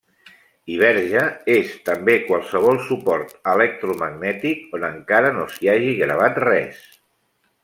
I verge és també qualsevol suport electromagnètic on encara no s'hi hagi gravat res.